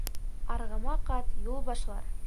Арғымаҡ ат юл башлар